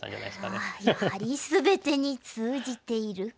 やはり全てに通じている。